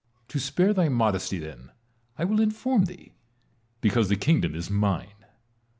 To spare thy modesty, then, I will inform thee. Because the kingdom is mine.